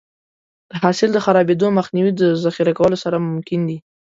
د حاصل د خرابېدو مخنیوی د ذخیره کولو سره ممکن دی.